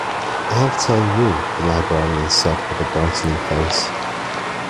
I'll tell you, the librarian said with a brightening face.